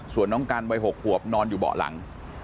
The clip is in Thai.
ส่วนน้องกันวัย๖ขวบนอนอยู่เบาะหลัง